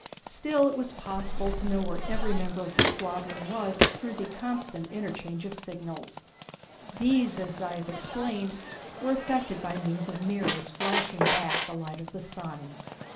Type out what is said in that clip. Still it was possible to know where every member of the squadron was through the constant interchange of signals. These, as I have explained, were effected by means of mirrors flashing back the light of the sun.